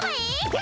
え？